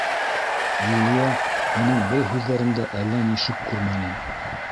Юлия уның был һүҙҙәрендә әллә ни шик күрмәне: